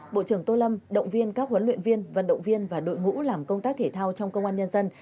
bộ trưởng tô lâm động viên các huấn luyện viên vận động viên và đội ngũ làm công tác thể thao trong công an nhân dân